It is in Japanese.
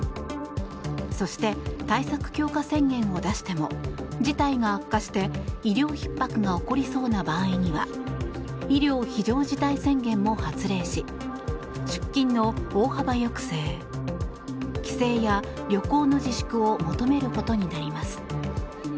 そして、対策強化宣言を出しても事態が悪化して、医療ひっ迫が起こりそうな場合には医療非常事態宣言も発令し出勤の大幅抑制帰省や旅行の自粛を求めることになります。